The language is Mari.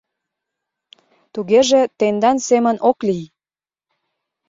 — Тугеже тендан семын ок лий.